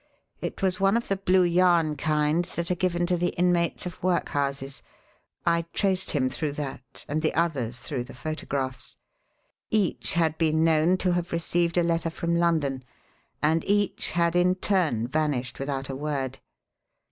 It was one of the blue yarn kind that are given to the inmates of workhouses. I traced him through that; and the others through the photographs. Each had been known to have received a letter from London, and each had in turn vanished without a word.